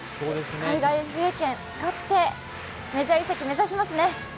海外ＦＡ権を使ってメジャー移籍を目指しますね。